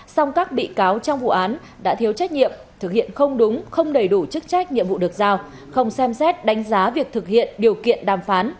song các bị cáo trong vụ án đã thiếu trách nhiệm thực hiện không đúng không đầy đủ chức trách nhiệm vụ được giao không xem xét đánh giá việc thực hiện điều kiện đàm phán